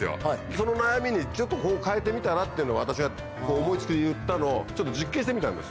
その悩みにこう変えてみたら？っていうのを私が思い付きで言ったのを実験してみたんです。